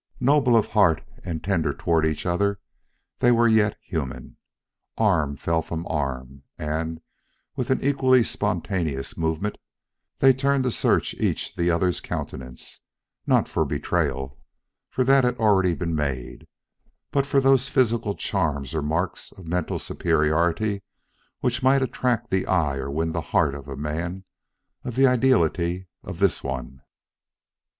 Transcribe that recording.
Noble of heart and tender each toward the other, they were yet human. Arm fell from arm, and with an equally spontaneous movement, they turned to search each the other's countenance, not for betrayal, for that had already been made but for those physical charms or marks of mental superiority which might attract the eye or win the heart of a man of the ideality of this one.